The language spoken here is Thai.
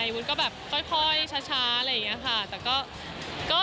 ให้วุ้นก็แบบค่อยช้าแบบนี้ค่ะแต่ก็